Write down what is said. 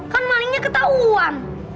kan malingnya ketahuan